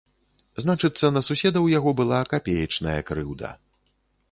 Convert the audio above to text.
Значыцца, на суседа ў яго была капеечная крыўда.